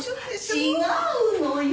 違うのよ！